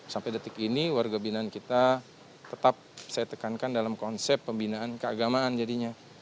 sampai detik ini warga binaan kita tetap saya tekankan dalam konsep pembinaan keagamaan jadinya